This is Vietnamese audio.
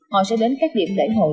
họ sẽ đến các điểm lễ hội